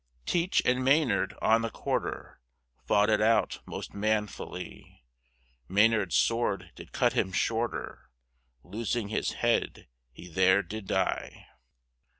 Teach and Maynard on the Quarter, Fought it out most manfully, Maynard's Sword did cut him shorter, Losing his head, he there did die.